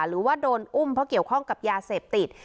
หรือว่าโดนอุ้มเพราะเกี่ยวข้องกับยาเสพติด